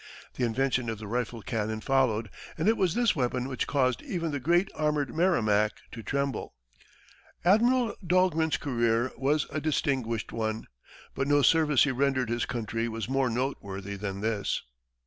The invention of the rifled cannon followed, and it was this weapon which caused even the great armored Merrimac to tremble. Admiral Dahlgren's career was a distinguished one, but no service he rendered his country was more noteworthy than this.